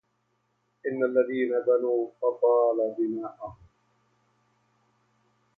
إن الذين بنوا فطال بناؤهم